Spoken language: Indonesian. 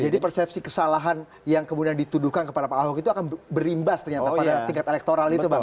jadi persepsi kesalahan yang kemudian dituduhkan kepada pak ahok itu akan berimbas ternyata pada tingkat elektoral itu bang ya